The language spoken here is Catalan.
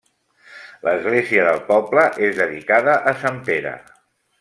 L'església del poble és dedicada a sant Pere.